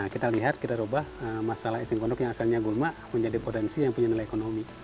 kita lihat kita ubah masalah eceng gondok yang asalnya gulma menjadi potensi yang punya nilai ekonomi